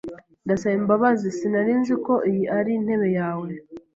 Ndasaba imbabazi. Sinari nzi ko iyi ari intebe yawe.